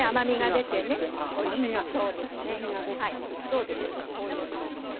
どうでしょうかこういう感じで。